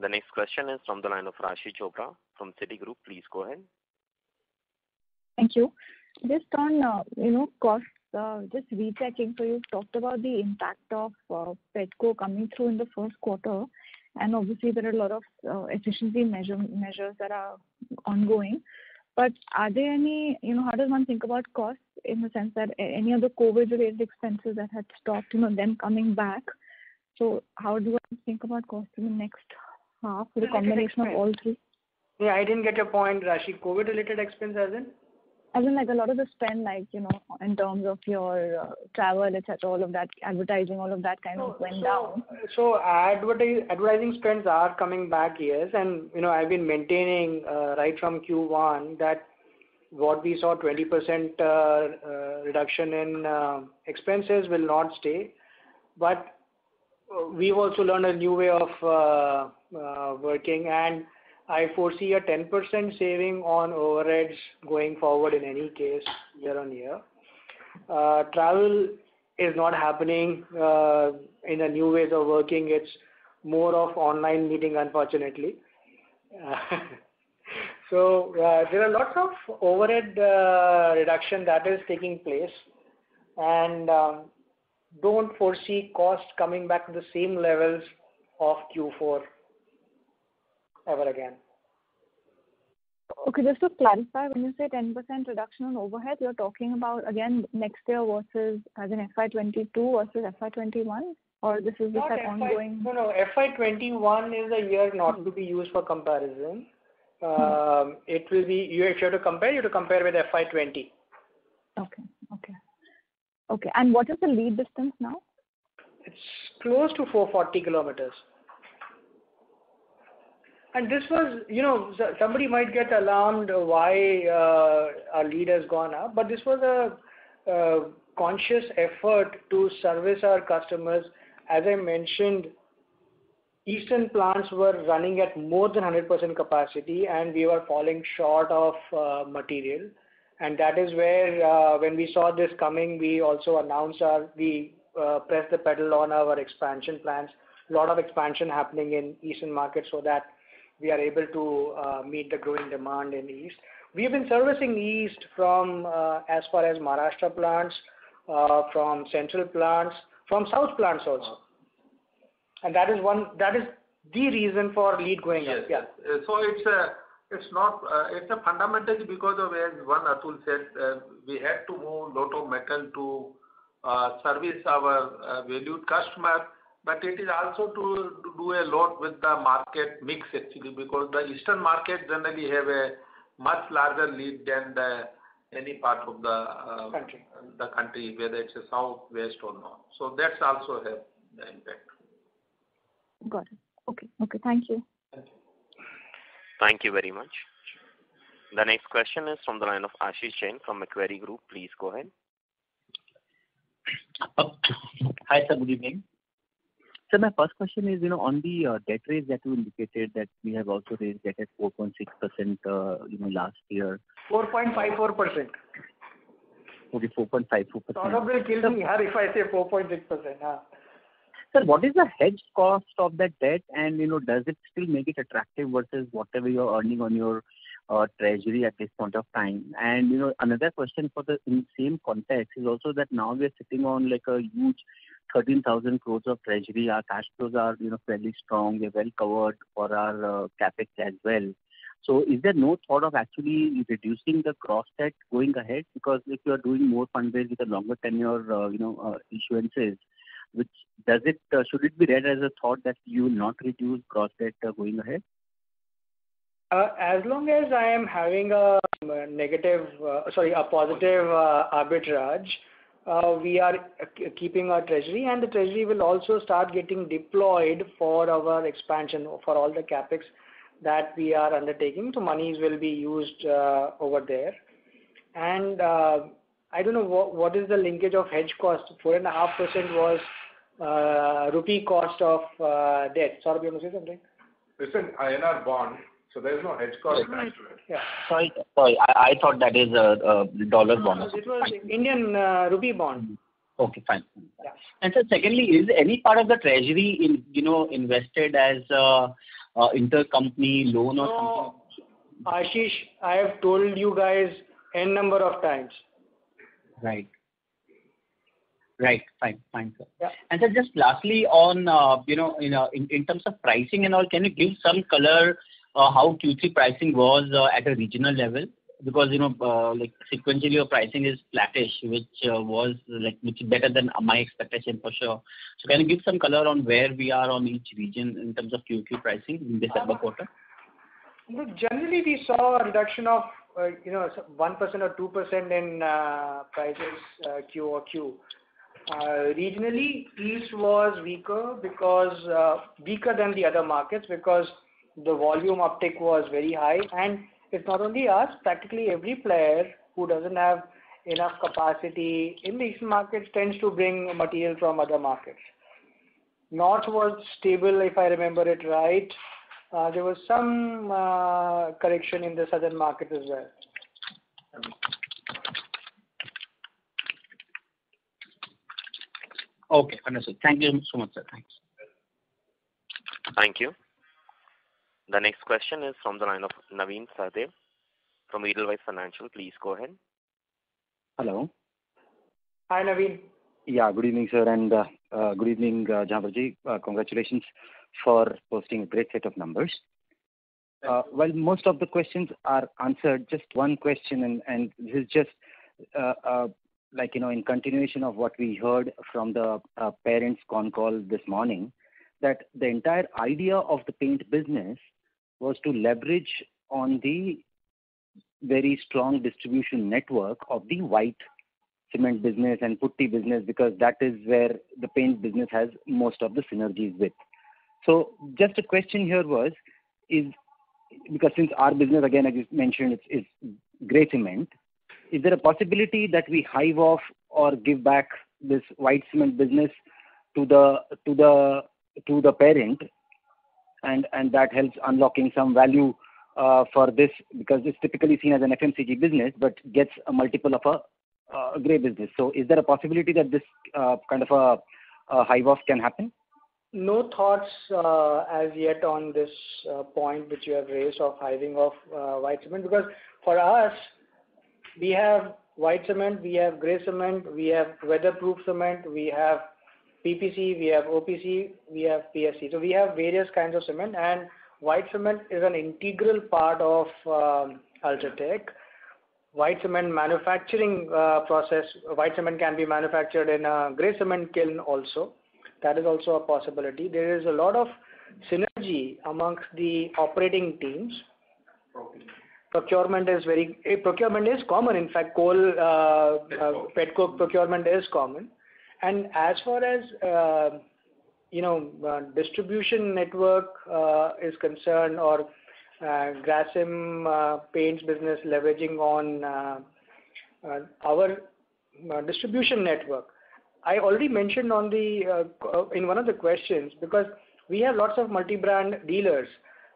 The next question is from the line of Raashi Chopra from Citigroup. Please go ahead. Thank you. Just on costs, just rechecking for you, talked about the impact of pet coke coming through in the first quarter, and obviously there are a lot of efficiency measures that are ongoing. How does one think about costs in the sense that any of the COVID-related expenses that had stopped, them coming back? How do I think about costs in the next half with a combination of all three? Yeah, I didn't get your point, Raashi. COVID-related expense, as in? As in like a lot of the spend, in terms of your travel, etc., all of that advertising, all of that kind of went down. Advertising spends are coming back, yes. I've been maintaining right from Q1 that what we saw 20% reduction in expenses will not stay. We've also learned a new way of working and I foresee a 10% saving on overheads going forward in any case year-on-year. Travel is not happening in the new ways of working. It's more of online meeting, unfortunately. There are lots of overhead reduction that is taking place, and don't foresee costs coming back to the same levels of Q4 ever again. Okay. Just to clarify, when you say 10% reduction on overheads, you're talking about again next year versus as in FY 2022 versus FY 2021? Or this is just an ongoing? No, FY 2021 is a year not to be used for comparison. If you were to compare, you'd compare with FY 2020. Okay. What is the lead distance now? It's close to 440 km. Somebody might get alarmed why our lead has gone up. This was a conscious effort to service our customers. As I mentioned, eastern plants were running at more than 100% capacity. We were falling short of material. That is where, when we saw this coming, we also pressed the pedal on our expansion plans. A lot of expansion happening in eastern markets, that we are able to meet the growing demand in the east. We have been servicing east from as far as Maharashtra plants, from central plants, from south plants also. That is the reason for lead going up. Yeah. It's fundamentally because of what Atul said, we had to move a lot of material to service our valued customer. It is also to do a lot with the market mix, actually, because the eastern markets generally have a much larger lead than any part of the- Country.... the country, whether it's south, west or north. That also have the impact. Got it. Okay. Thank you. Thank you very much. The next question is from the line of Ashish Jain from Macquarie Group. Please go ahead. Hi, sir. Good evening. My first question is on the debt raise that you indicated that we have also raised debt at 4.6% last year. 4.54%. Okay. 4.54%. Saurabh will kill me if I say 4.6%. Yeah. Sir, what is the hedge cost of that debt and does it still make it attractive versus whatever you're earning on your treasury at this point of time? Another question for the same context is also that now we're sitting on a huge 13,000 crore of treasury. Our cash flows are fairly strong. We're well-covered for our CapEx as well. Is there no thought of actually reducing the gross debt going ahead? If you are doing more fundraise with the longer tenure issuances, should it be read as a thought that you will not reduce gross debt going ahead? As long as I am having a positive arbitrage, we are keeping our treasury. The treasury will also start getting deployed for our expansion, for all the CapEx that we are undertaking. Monies will be used over there. I don't know, what is the linkage of hedge cost? 4.5% was rupee cost of debt. Saurabh, you want to say something? It's an INR bond, so there is no hedge cost attached to it. Yeah. Sorry. I thought that is a dollar bond. No, it was Indian rupee bond. Okay, fine. Yeah. Sir, secondly, is any part of the treasury invested as intercompany loan or something? No, Ashish, I have told you guys N number of times. Right. Fine. Thank you. Yeah. Sir, just lastly, in terms of pricing and all, can you give some color how Q3 pricing was at a regional level? Sequentially, your pricing is flattish, which is better than my expectation, for sure. Can you give some color on where we are on each region in terms of Q3 pricing in December quarter? Generally, we saw a reduction of 1% or 2% in prices Q-on-Q. Regionally, east was weaker than the other markets because the volume uptick was very high. It's not only us, practically every player who doesn't have enough capacity in these markets tends to bring material from other markets. North was stable, if I remember it right. There was some correction in the southern market as well. Okay. Understood. Thank you so much, sir. Thanks. Thank you. The next question is from the line of Navin Sahadeo from Edelweiss Financial. Please go ahead. Hello. Hi, Navin. Yeah. Good evening, sir, and good evening, Jhanwar-ji. Congratulations for posting a great set of numbers. Thank you. While most of the questions are answered, just one question, and this is just in continuation of what we heard from the parent's conference call this morning, that the entire idea of the paint business was to leverage on the very strong distribution network of the white cement business and putty business, because that is where the paints business has most of the synergies with. Just a question here was, because since our business, again, as you mentioned, it's gray cement, is there a possibility that we hive off or give back this white cement business to the parent and that helps unlocking some value for this? It's typically seen as an FMCG business, but gets a multiple of a gray business. Is there a possibility that this kind of a hive off can happen? No thoughts as yet on this point which you have raised of hiving off white cement, because for us, we have white cement, we have gray cement, we have weatherproof cement, we have PPC, we have OPC, we have PSC. We have various kinds of cement, and white cement is an integral part of UltraTech. White cement can be manufactured in a gray cement kiln also. That is also a possibility. There is a lot of synergy amongst the operating teams. Procurement is common. In fact, pet coke procurement is common. As far as distribution network is concerned, or Grasim Paints business leveraging on our distribution network. I already mentioned in one of the questions, because we have lots of multi-brand dealers.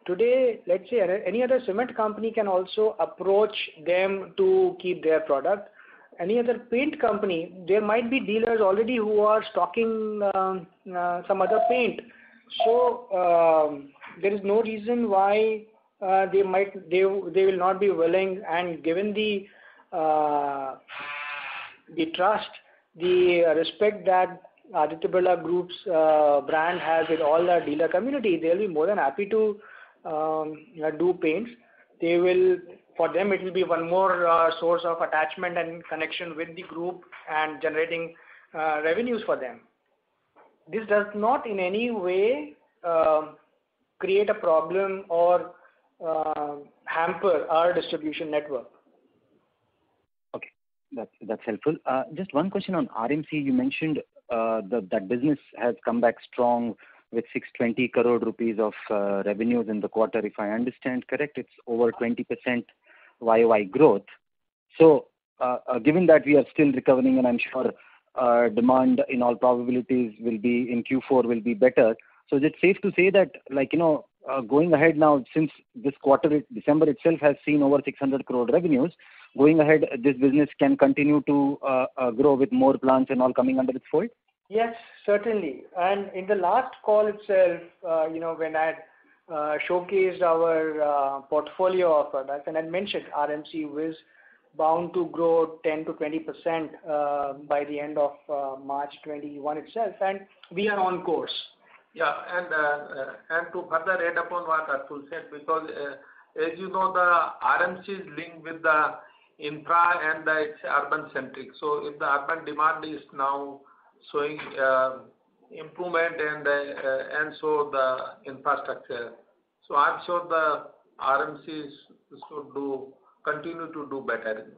Today, let's say any other cement company can also approach them to keep their product. Any other paint company, there might be dealers already who are stocking some other paint. There is no reason why they will not be willing, and given the trust, the respect that Aditya Birla Group's brand has with all our dealer community, they'll be more than happy to do paints. For them, it will be one more source of attachment and connection with the group and generating revenues for them. This does not in any way, create a problem or hamper our distribution network. Okay. That's helpful. Just one question on RMC, you mentioned that business has come back strong with 620 crore rupees of revenues in the quarter, if I understand correct, it's over 20% YOY growth. Given that we are still recovering and I'm sure our demand in all probabilities in Q4 will be better. Is it safe to say that, going ahead now, since this quarter, December itself has seen over 600 crore revenues, going ahead, this business can continue to grow with more plants and all coming under its fold? Yes, certainly. In the last call itself, when I showcased our portfolio of products, I mentioned RMC was bound to grow 10%-20% by the end of March 2021 itself, we are on course. Yeah. To further add upon what Atul said, because as you know, the RMC is linked with the infra and the urban centric. If the urban demand is now showing improvement and so the infrastructure, I am sure the RMCs should continue to do better,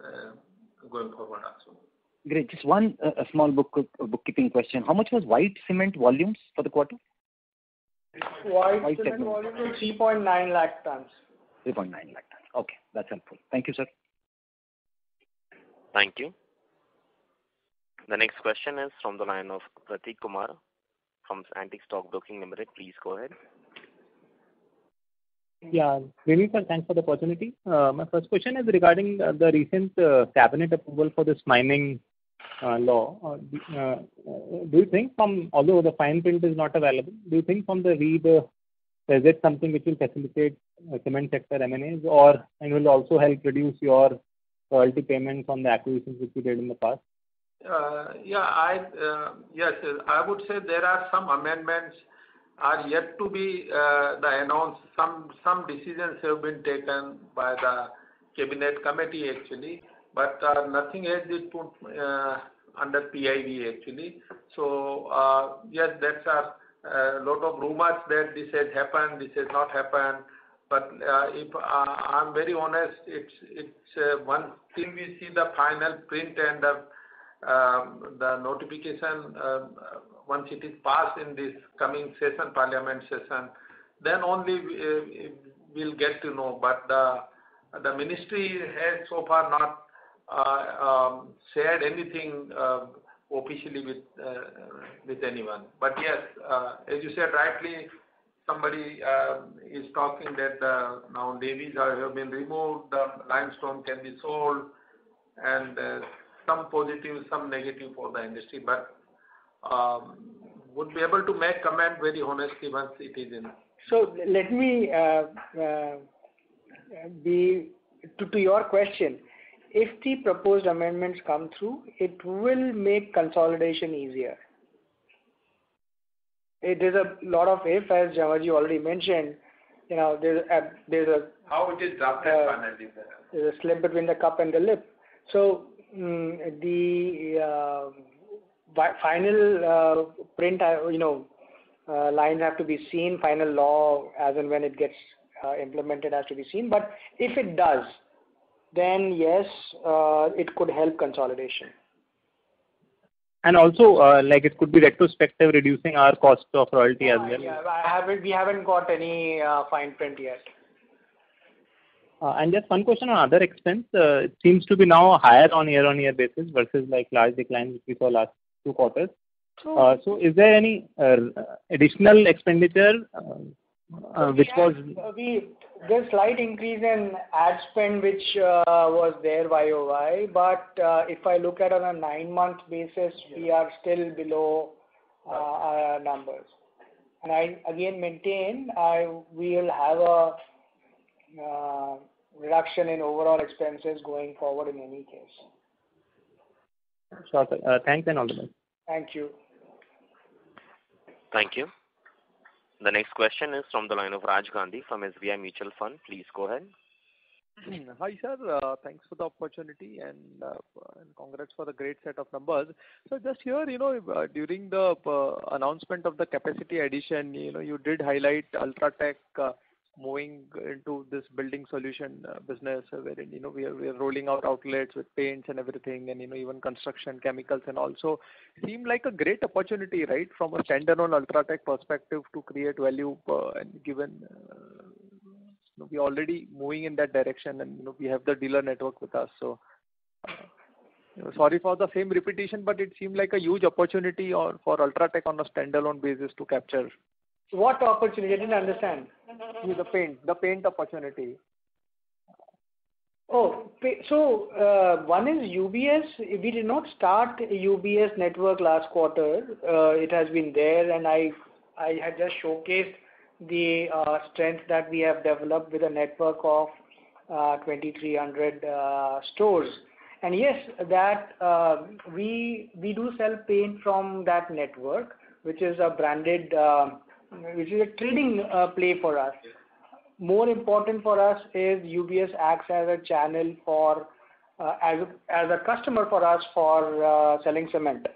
going forward also. Great. Just one small bookkeeping question. How much was white cement volumes for the quarter? White cement volume was 3.9 lakh tons. 3.9 lakh tons. Okay. That's helpful. Thank you, sir. Thank you. The next question is from the line of Prateek Kumar from Antique Stock Broking Limited. Please go ahead. Yeah. Good evening sir, thanks for the opportunity. My first question is regarding the recent cabinet approval for this mining law. Although the fine print is not available, do you think from the read, is it something which will facilitate cement sector M&As or, and will also help reduce your royalty payments on the acquisitions which you did in the past? Yes. I would say there are some amendments are yet to be announced. Some decisions have been taken by the cabinet committee actually, nothing has been put under PIB actually. Yes, there are a lot of rumors that this has happened, this has not happened. If I'm very honest, it's one thing we see the final print and the notification, once it is passed in this coming parliament session, then only we'll get to know. The ministry has so far not shared anything officially with anyone. Yes, as you said rightly, somebody is talking that now levies have been removed, the limestone can be sold, and some positive, some negative for the industry, but would be able to make comment very honestly once it is in. Let me, to your question, if the proposed amendments come through, it will make consolidation easier. There's a lot of if, as Jhanwar-ji already mentioned. How would it finally there. There's a slip between the cup and the lip. The final print lines have to be seen, final law as and when it gets implemented has to be seen. If it does, then yes, it could help consolidation. Also, it could be retrospective reducing our cost of royalty as well. Yeah. We haven't got any fine print yet. Just one question on other expense. It seems to be now higher on year-on-year basis versus large decline which we saw last two quarters. Sure. Is there any additional expenditure? There's slight increase in ad spend, which was there YOY, but if I look at on a nine-month basis, we are still below our numbers. I, again maintain, we'll have a reduction in overall expenses going forward in any case. Sure sir. Thanks and all the best. Thank you. Thank you. The next question is from the line of Raj Gandhi from SBI Mutual Fund. Please go ahead. Hi sir. Thanks for the opportunity and congrats for the great set of numbers. Just here, during the announcement of the capacity addition, you did highlight UltraTech moving into this building solutions business, wherein we are rolling out outlets with paints and everything, and even construction chemicals and also. It seemed like a great opportunity, right? From a standalone UltraTech perspective to create value, and given we're already moving in that direction and we have the dealer network with us. Sorry for the same repetition, it seemed like a huge opportunity for UltraTech on a standalone basis to capture. What opportunity? I didn't understand. The paint opportunity. One is UBS. We did not start UBS network last quarter. It has been there, and I had just showcased the strength that we have developed with a network of 2,300 stores. Yes, we do sell paint from that network, which is a trading play for us. More important for us is UBS acts as a customer for us for selling cement.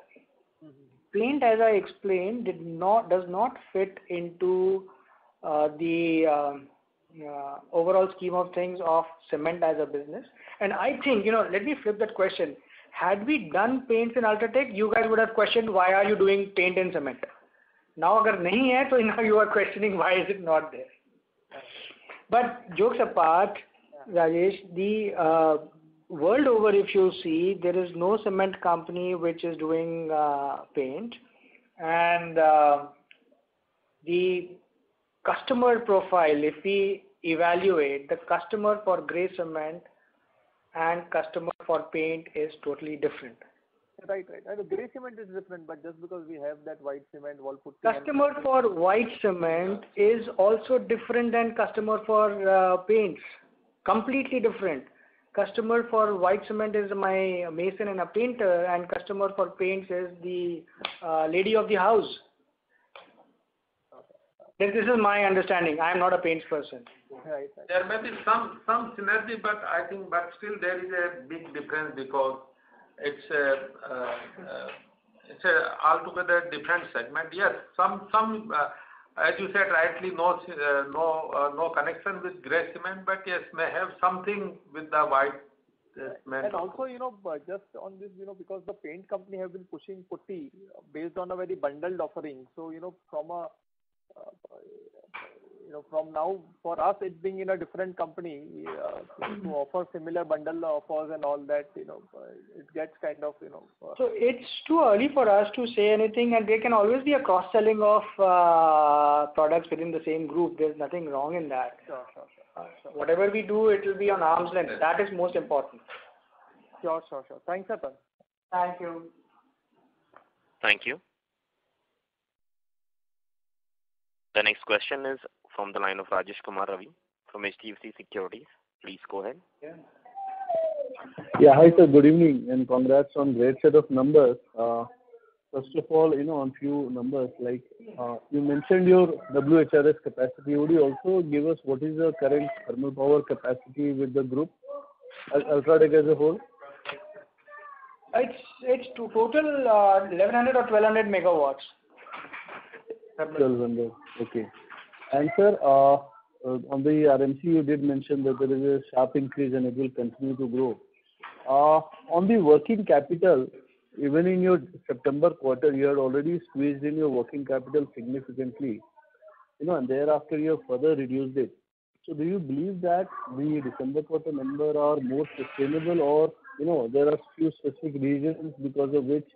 Paint, as I explained, does not fit into the overall scheme of things of cement as a business. I think, let me flip that question. Had we done paints in UltraTech, you guys would have questioned, "Why are you doing paint and cement?" Now, you are questioning, why is it not there. Jokes apart, Raj, is the world over, if you see, there is no cement company which is doing paint. The customer profile, if we evaluate, the customer for gray cement and customer for paint is totally different. Right. I know gray cement is different, but just because we have that white cement wall putty and- Customer for white cement is also different than customer for paints. Completely different. Customer for white cement is my mason and a painter, and customer for paints is the lady of the house. This is my understanding. I'm not a paints person. Right. There may be some synergy, but I think still there is a big difference because it's altogether different segment. Yes, as you said rightly, no connection with gray cement, but yes, may have something with the white cement. Also, just on this, because the paint company have been pushing putty based on a very bundled offering. From now, for us, it being in a different company, to offer similar bundle offers and all that, it gets kind of. It's too early for us to say anything, and there can always be a cross-selling of products within the same group. There's nothing wrong in that. Sure. Whatever we do, it will be on arm's length. That is most important. Sure. Thanks, sir. Thank you. Thank you. The next question is from the line of Rajesh Kumar Ravi from HDFC Securities. Please go ahead. Yeah. Hi, sir. Good evening, and congrats on great set of numbers. First of all, on few numbers, like you mentioned your WHRS capacity. Would you also give us what is your current thermal power capacity with the group, UltraTech as a whole? It's total 1,100 or 1,200 MW. 1,200. Okay. Sir, on the RMC, you did mention that there is a sharp increase, and it will continue to grow. On the working capital, even in your September quarter, you had already squeezed in your working capital significantly. Thereafter, you have further reduced it. Do you believe that the December quarter number are more sustainable or there are few specific reasons because of which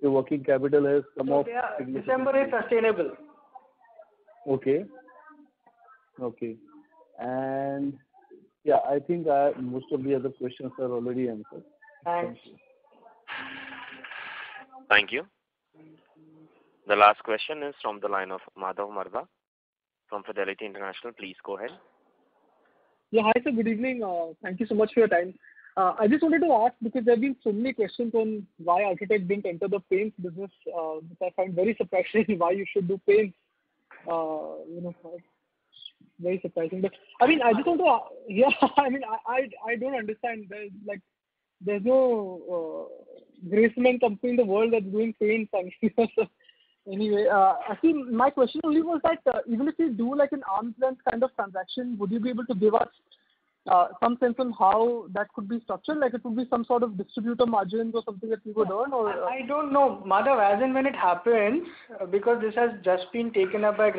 your working capital has come off significantly? December is sustainable. Okay. Yeah, I think most of the other questions are already answered. Thanks. Thank you. The last question is from the line of Madhav Marda from Fidelity International. Please go ahead. Yeah. Hi, sir. Good evening. Thank you so much for your time. I just wanted to ask, because there have been so many questions on why UltraTech didn't enter the paints business, which I find very surprising why you should do paints. Very surprising. I don't understand. There's no gray cement company in the world that's doing paints. I think my question only was that, even if you do an arm's length kind of transaction, would you be able to give us some sense on how that could be structured? It could be some sort of distributor margins or something that you could earn or? I don't know, Madhav. As and when it happens, because this has just been taken up by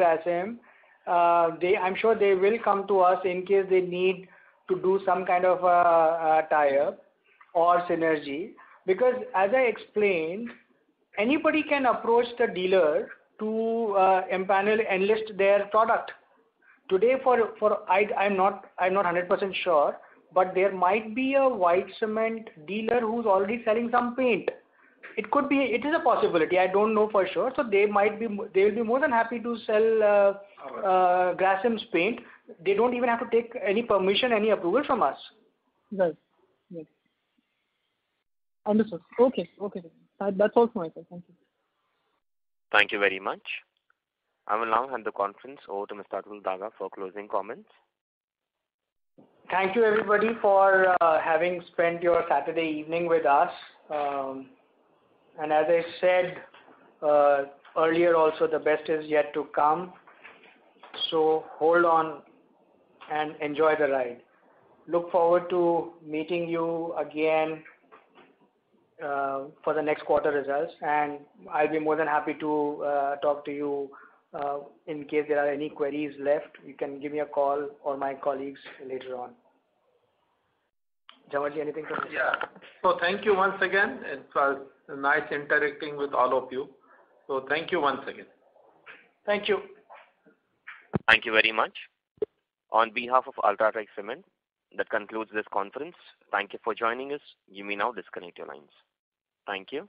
Grasim. I'm sure they will come to us in case they need to do some kind of a tie-up or synergy. Because, as I explained, anybody can approach the dealer to empanel, enlist their product. Today, I'm not 100% sure, but there might be a white cement dealer who's already selling some paint. It is a possibility. I don't know for sure. They'll be more than happy to sell- Okay. Grasim's paint. They don't even have to take any permission, any approval from us. Right. Understood. Okay. That's all from my side. Thank you. Thank you very much. I will now hand the conference over to Mr. Atul Daga for closing comments. Thank you, everybody, for having spent your Saturday evening with us. As I said earlier also, the best is yet to come. Hold on and enjoy the ride. Look forward to meeting you again for the next quarter results. I'll be more than happy to talk to you. In case there are any queries left, you can give me a call or my colleagues later on. Jhanwar-ji, anything from you? Yeah. Thank you once again. It was nice interacting with all of you. Thank you once again. Thank you. Thank you very much. On behalf of UltraTech Cement, that concludes this conference. Thank you for joining us. You may now disconnect your lines. Thank you.